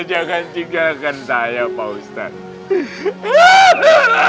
jangan tinggalkan saya pak ustadz